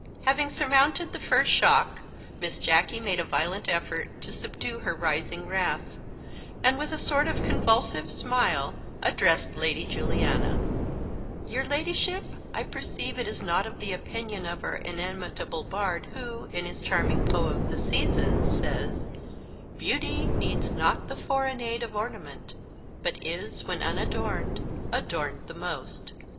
Having surmounted the first shock, Miss Jacky made a violent effort to subdue her rising wrath; and, with a sort of convulsive smile, addressed Lady Juliana: "Your Ladyship, I perceive, is not of the opinion of our inimitable bard, who, in his charming poem, 'The Seasons,' says' Beauty needs not the foreign aid of ornament; but is, when unadorned, adorned the most.'